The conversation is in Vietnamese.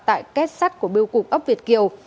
tại kết sắt của biêu cục ấp việt kiều